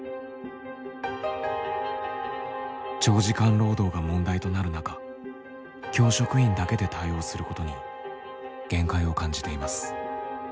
長時間労働が問題となる中教職員だけで対応することに限界を感じています。